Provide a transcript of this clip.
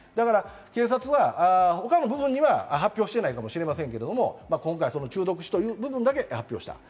警察は他の部分には発表していないかもしれませんけれど、今回、中毒死という部分だけ発表した。